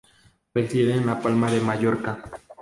Reside en Palma de Mallorca.